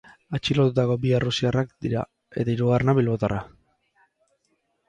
Atxilotutako bi errusiarrak dira, eta hirugarrena bilbotarra.